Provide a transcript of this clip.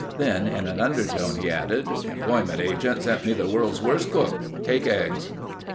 Then in an undertone he added: "Employment agent sent me the world's worst cook. Take eggs."